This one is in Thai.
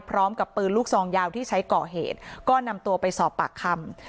พร้อมกับปืนลูกซองยาวที่ใช้ก่อเหตุก็นำตัวไปสอบปากคำ